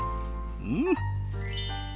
うん！